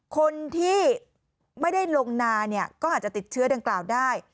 คนที่ไม่ได้ลงนาเนี่ยก็อาจจะติดเชื้อดังกล่าวได้